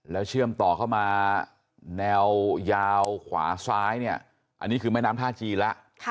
แล้วเชื่อมต่อเข้ามาแนวยาวขวาซ้ายเนี่ยอันนี้คือแม่น้ำท่าจีนแล้ว